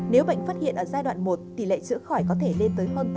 nếu bệnh phát hiện ở giai đoạn một tỷ lệ chữa khỏi có thể lên tới hơn tám mươi